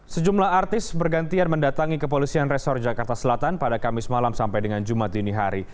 sejumlah artis bergantian mendatangi kepolisian resor jakarta selatan pada kamis malam sampai dengan jumat dini hari